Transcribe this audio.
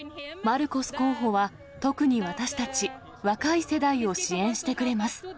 マルコス候補は、特に私たち、若い世代を支援してくれます。